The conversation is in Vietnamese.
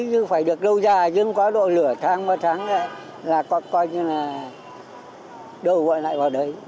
nhưng phải được lâu dài nhưng có độ lửa tháng qua tháng là coi như là đầu gọi lại vào đấy